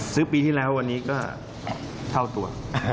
ปีที่แล้ววันนี้ก็เท่าตัว